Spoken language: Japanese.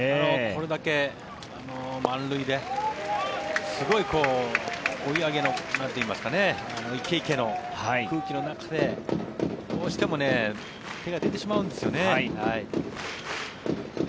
これだけ満塁ですごい追い上げのイケイケの空気の中でどうしても手が出てしまうんですよね。